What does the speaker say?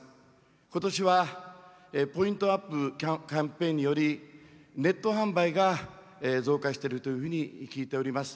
ことしはポイントアップキャンペーンによりネット販売が増加しているというふうに聞いております。